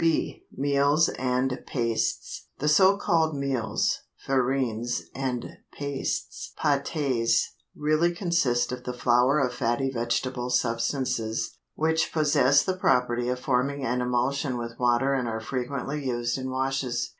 B. Meals and Pastes. The so called meals (farines) and pastes (pâtes) really consist of the flour of fatty vegetable substances which possess the property of forming an emulsion with water and are frequently used in washes.